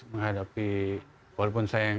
menghadapi walaupun saya